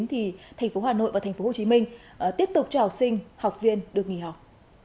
thì thành phố hà nội và thành phố hồ chí minh tiếp tục cho học sinh học viên được nghỉ học